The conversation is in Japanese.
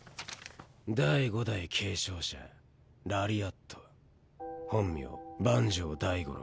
第五代継承者「ラリアット」本名・万縄大悟郎。